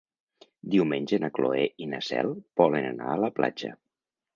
Diumenge na Cloè i na Cel volen anar a la platja.